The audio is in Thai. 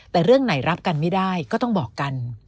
แต่เรื่องไหนรับกันไม่ได้ก็ต้องบอกกัน